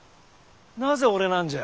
なぜ俺なんじゃ？